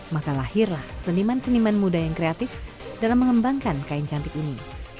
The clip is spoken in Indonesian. maka lahirlah seniman seniman muda yang kreatif dalam mengembangkan kain cantik ini